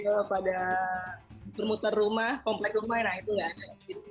aku biasanya suka ada yang anak anak kecil pada permutar rumah komplek rumah ya itu nggak ada yang gitu